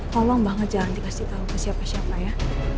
tolong banget jangan dikasih tahu ke siapa siapa ya